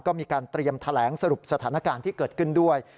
ก็มีการเตรียมแถลงสรุปสถานการณ์ที่เกิดขึ้นด้วย